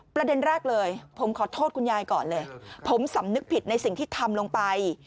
ประเด็นแรกเลยผมขอโทษคุณยายก่อนเลยผมสำนึกผิดในสิ่งที่ทำลงไป